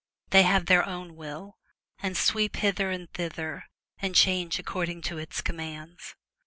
They have their own will, and sweep hither and thither, and change according to its commands.